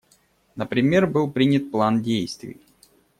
Например, был принят План действий.